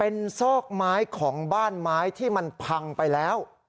เป็นซอกไม้ของบ้านไม้ที่มันพังไปแล้ว